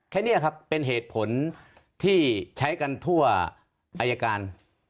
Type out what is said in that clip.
แค่นี้ครับเป็นเหตุผลที่ใช้กันทั่วอายการ